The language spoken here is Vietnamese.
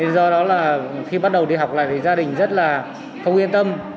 do đó là khi bắt đầu đi học lại thì gia đình rất là không yên tâm